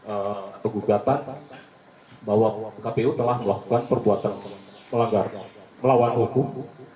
atau gugatan bahwa kpu telah melakukan perbuatan melanggar melawan hukum